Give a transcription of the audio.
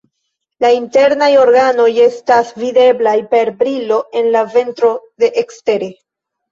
La internaj organoj estas videblaj per brilo en la ventro de ekstere.